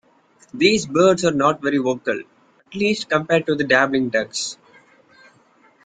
These birds are not very vocal, at least compared to dabbling ducks.